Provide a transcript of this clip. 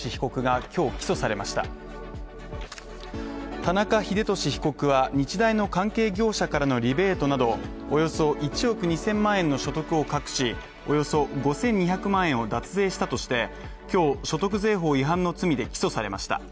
田中英寿被告は、日大の関係業者からのリベートなどおよそ１億２０００万円の所得を隠し、およそ５２００万円を脱税したとして、今日、所得税法違反の罪で起訴されました。